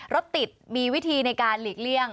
รถติดมีวิธีในการหลีกเลี่ยง